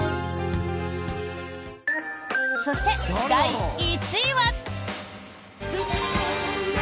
そして、第１位は。